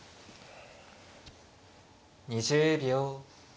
２０秒。